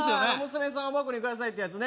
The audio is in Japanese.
「娘さんを僕にください」ってやつ